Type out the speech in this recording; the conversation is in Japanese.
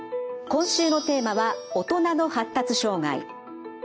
今週のテーマは大人の発達障害。